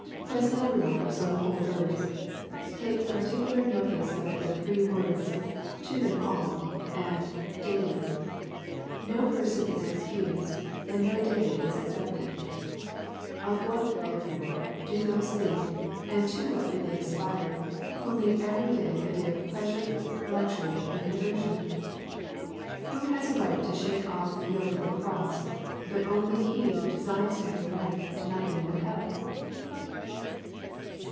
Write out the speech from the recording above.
Quesnel remarks on the whole verse, "Take particular notice of the three words, *to them all,* and * daily.' No person is excused, and no day is excepted. Of what, therefore, do those think, and to what do they aspire, who make every day a day of pleasure, luxury, and diversion ? Who has a right to shake off the yoke of the cross, but only he who designs to have a right to nothing but hell